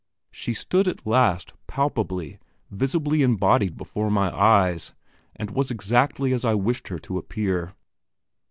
She stood at last, palpably, vividly embodied before my eyes, and was exactly as I wished her to appear.